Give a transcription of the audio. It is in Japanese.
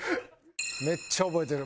めっちゃ覚えてる。